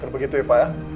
begitu ya pak ya